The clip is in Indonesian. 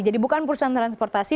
jadi bukan perusahaan transportasi